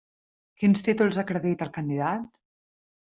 Quins títols acredita el candidat?